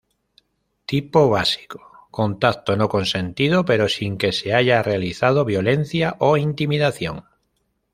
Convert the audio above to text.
Tipo básico: Contacto no consentido, pero sin que se haya realizado violencia o intimidación.